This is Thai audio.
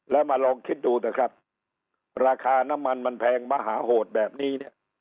แล้วมาลองคิดดูนะครับราคาน้ำมันมันแพงมหาโหดแบบนี้เนี่ย